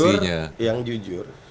yang jujur yang jujur